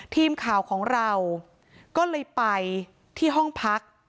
ทีมข่าวของเราก็เลยไปที่ห้องพัก